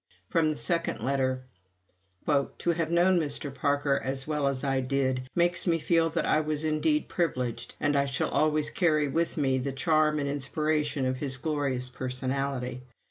From the second letter: "To have known Mr. Parker as well as I did makes me feel that I was indeed privileged, and I shall always carry with me the charm and inspiration of his glorious personality.